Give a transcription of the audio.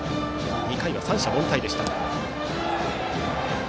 ２回は三者凡退でした。